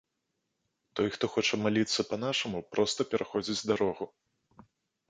Той, хто хоча маліцца па-нашаму, проста пераходзіць дарогу.